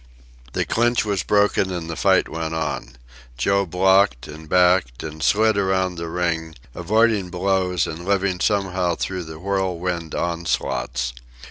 The clinch was broken and the fight went on. Joe blocked, and backed, and slid around the ring, avoiding blows and living somehow through the whirlwind onslaughts.